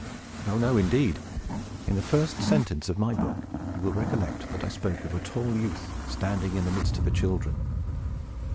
Oh, no, indeed! In the first sentence of my book, you will recollect that I spoke of a tall youth, standing in the midst of the children.